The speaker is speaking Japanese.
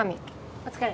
お疲れ。